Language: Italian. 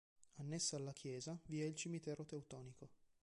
Annessa alla chiesa vi è il Cimitero Teutonico.